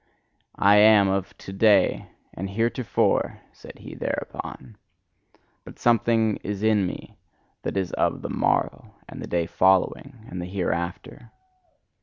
I am of to day and heretofore, said he thereupon; but something is in me that is of the morrow, and the day following, and the hereafter.